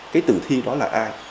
cái tử thi đó là ai